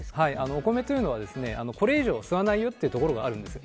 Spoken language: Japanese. お米というのはこれ以上吸わないよというところがあります。